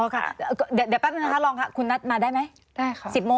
อ๋อค่ะเดี๋ยวแป๊บนึงนะคะลองค่ะคุณนัทมาได้ไหม